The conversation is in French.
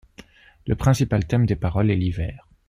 Le principal thème des paroles est l'hiver.